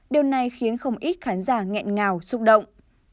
điều này khiến không ít khán giả nghẹn ngào xúc động